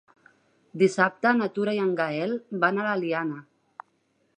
Dissabte na Tura i en Gaël van a l'Eliana.